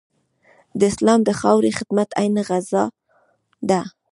د اسلام د خاورې خدمت عین غزا ده.